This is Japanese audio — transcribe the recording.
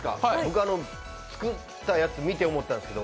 作ったやつ見て思ったんですけど、